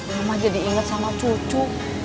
mama jadi ingat sama cucu